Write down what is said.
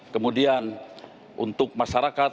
kemudian untuk masyarakat